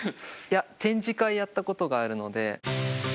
いや展示会やったことがあるので。